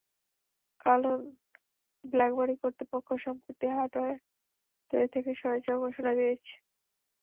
কারণ, ব্ল্যাকবেরি কর্তৃপক্ষ সম্প্রতি হার্ডওয়্যার তৈরি থেকে সরে যাওয়ার ঘোষণা দিয়েছে।